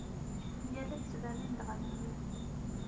Yal ass ttberrin-d ɣef mmi-s.